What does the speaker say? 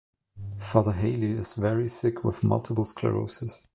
Father Halley is very sick with multiple sclerosis.